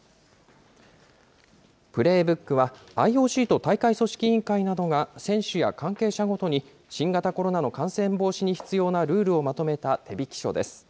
プレーブックは、ＩＯＣと大会組織委員会などが、選手や関係者ごとに、新型コロナの感染防止に必要なルールをまとめた手引き書です。